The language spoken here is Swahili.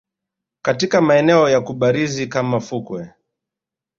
katika maeneo ya kubarizi kama fukwe